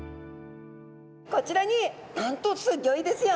こちらになんとすギョいですよ。